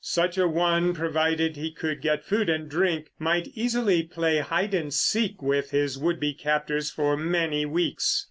Such a one, provided he could get food and drink, might easily play hide and seek with his would be captors for many weeks.